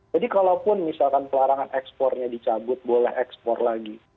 jadi kalaupun misalkan pelarangan ekspornya dicabut boleh ekspor lagi